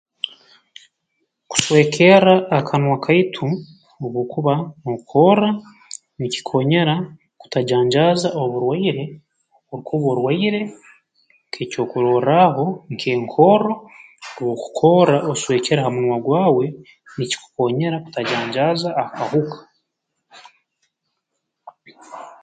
Kuswekerra akanwa kaitu obu okuba nookorra nikikoonyera kutajanjaaza oburwaire orukuba orwaire nk'ekyokurorraaho nk'enkorro obu okukorra oswekere ha munwa gwawe nikikukoonyera kutajanjaaza akahuka